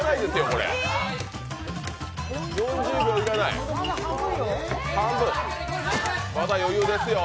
４０秒いらない、まだ余裕ですよ。